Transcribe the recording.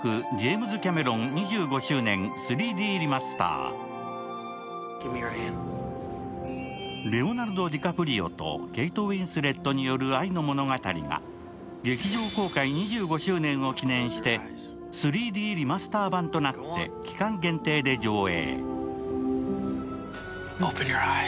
やさしい確定申告はｆｒｅｅｅレオナルド・ディカプリオとケイト・ウィンスレットによる愛の物語が劇場公開２５周年を記念して３Ｄリマスター版となって期間限定で上映。